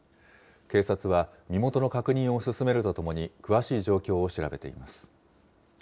警察は身元の確認を進めるとともに、詳しい状況を調べています。